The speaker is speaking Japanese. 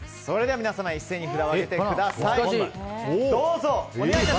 皆様一斉に札を上げてください。